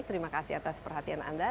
terima kasih atas perhatian anda